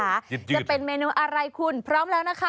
จะเป็นเมนูอะไรคุณพร้อมแล้วนะคะ